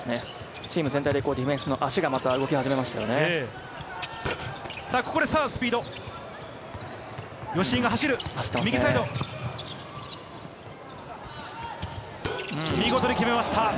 チーム全体でディフェンスの足が動き始めましたね。